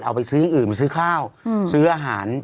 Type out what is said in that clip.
เอาไปซื้ออย่างอื่นก็ซื้อข้าวอืมซื้ออาหาร